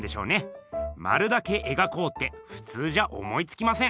まるだけえがこうってふつうじゃ思いつきません。